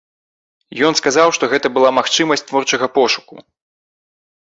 Ён сказаў, што гэта была магчымасць творчага пошуку.